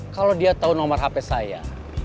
kalau dia tahu nomor hp saya